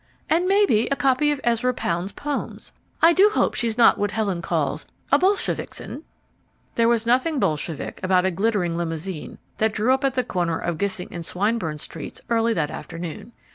And maybe a copy of Ezra Pound's poems. I do hope she's not what Helen calls a bolshevixen." There was nothing bolshevik about a glittering limousine that drew up at the corner of Gissing and Swinburne streets early that afternoon.